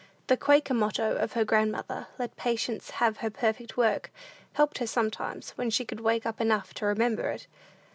The Quaker motto of her grandmother, "Let patience have her perfect work," helped her sometimes, when she could wake up enough to remember it.